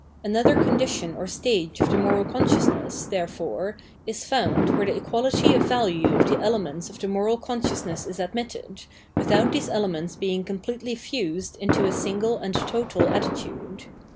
Another condition or stage of the moral con sciousness, therefore, is found where the equality of value of the elements of the moral consciousness is admitted, without these elements being completely fused into a single and total attitude.